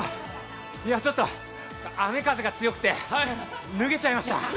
ちょっと、雨・風が強くて、脱げちゃいました。